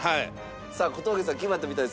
さあ小峠さん決まったみたいです。